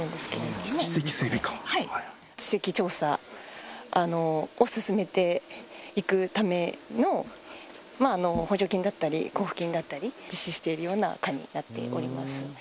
はい地籍調査を進めていくための補助金だったり交付金だったり実施しているような課になっております